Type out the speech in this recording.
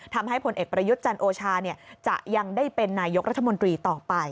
ผลเอกประยุทธ์จันโอชาจะยังได้เป็นนายกรัฐมนตรีต่อไป